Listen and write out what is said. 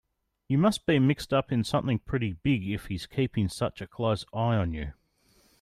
You must be mixed up in something pretty big if he's keeping such a close eye on you.